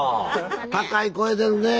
高い声出るねえ。